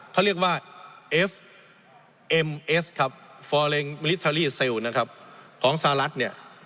เขาเรียกว่าเอฟเอ็มเอสครับนะครับของสหรัฐเนี่ย